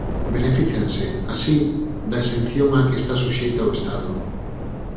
Benefícianse, así, da exención á que está suxeita o Estado.